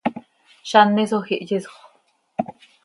z an hisoj ihyisxö.